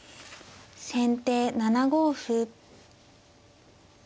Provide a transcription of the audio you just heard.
先手７五歩。